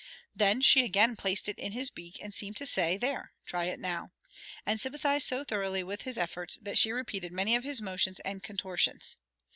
Then she again placed it in his beak, and seemed to say, "There, try it now," and sympathized so thoroughly with his efforts that she repeated many of his motions and contortions.